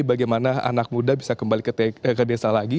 bagaimana anak muda bisa kembali ke desa lagi